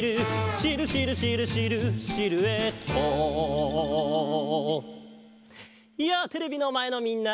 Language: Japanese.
「シルシルシルシルシルエット」やあテレビのまえのみんな！